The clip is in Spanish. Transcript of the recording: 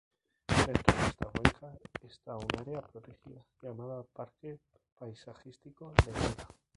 Dentro de esta cuenca está un área protegida, llamada Parque paisajístico de Nida.